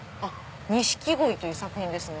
『錦鯉』という作品ですね。